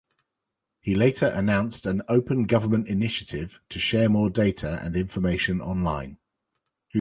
He later announced an "Open Government Initiative" to share more data and information online.